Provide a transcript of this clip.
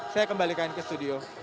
saya kembalikan ke studio